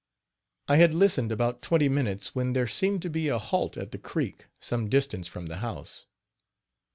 I had listened about twenty minutes when there seemed to be a halt at the creek, some distance from the house.